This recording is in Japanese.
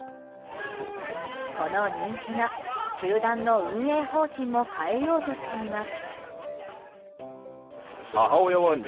この人気が球団の運営方針も変えようとしています。